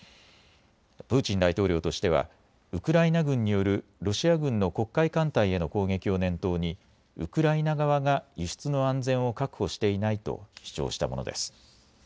プーチン大統領としてはウクライナ軍によるロシア軍の黒海艦隊への攻撃を念頭にウクライナ側が輸出の安全を確保していないと主張したものです。